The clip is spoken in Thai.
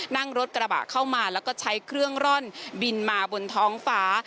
นั่งรถกระบะเข้ามาแล้วก็ใช้เครื่องร่อนบินมาบนท้องฟ้า